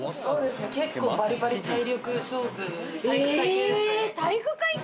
結構バリバリ体力勝負、体育会系ですね。